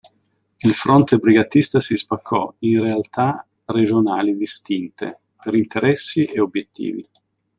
Il fronte brigatista si spaccò in realtà regionali distinte per interessi e obiettivi.